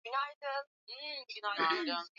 waandishi wa habari wakapigwa